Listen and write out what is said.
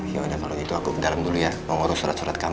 ya udah kalau gitu aku ke dalam dulu ya mau ngurus surat surat kamu